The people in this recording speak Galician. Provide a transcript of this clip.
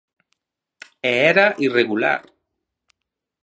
E era irregular.